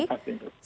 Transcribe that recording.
terima kasih bu